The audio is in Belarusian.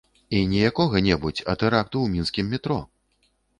І не якога-небудзь, а тэракту ў мінскім метро!